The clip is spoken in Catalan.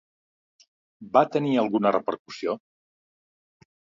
Va tenir alguna repercussió?